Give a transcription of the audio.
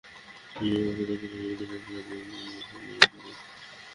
তুমি আমাকে যা কিছু শিখিয়েছ তার জন্য ধন্যবাদ, নিক।